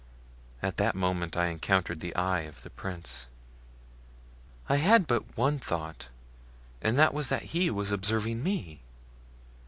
At that moment I encountered the eye of the prince. I had but one thought and that was that he was observing me.